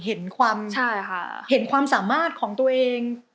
เห็นความสามารถของตัวเอง